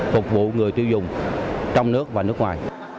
phục vụ người tiêu dùng trong nước và nước ngoài